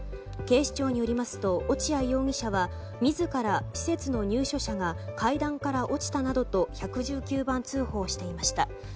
警視庁によりますと落合容疑者は自ら、施設の入所者が階段から落ちたなどと１１９番通報していました。